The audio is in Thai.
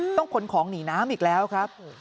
ต้องขนของหนีน้ำอีกแล้วครับ